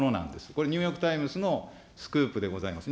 これ、ニューヨークタイムズのスクープでございます。